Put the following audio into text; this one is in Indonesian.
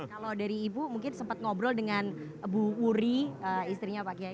kalau dari ibu mungkin sempat ngobrol dengan bu uri istrinya pak kiai